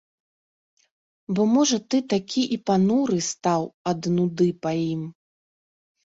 Бо, можа, ты такі і пануры стаў ад нуды па ім.